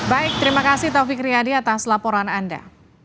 baik terima kasih taufik riyadi atas laporan anda